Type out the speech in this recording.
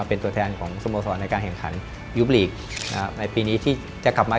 ก็จะกลับมาแข่งครองต่อมา